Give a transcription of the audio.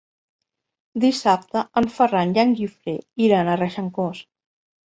Dissabte en Ferran i en Guifré iran a Regencós.